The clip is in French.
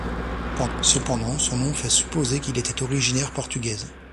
Cependant son nom fait supposer qu'il était originaire portugaise.